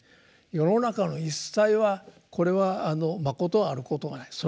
世の中の一切はこれはまことあることがない。